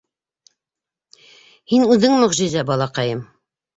Һин үҙең мөғжизә, балаҡайым.